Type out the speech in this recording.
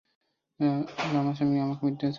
রামাসামি, আমাকে মিঠুনের ছবি দাও।